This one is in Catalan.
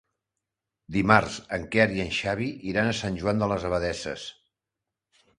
Dimarts en Quer i en Xavi iran a Sant Joan de les Abadesses.